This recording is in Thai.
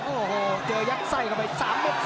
โอ้โหเจอยักษ์ใส่เข้าไป๓มุตต์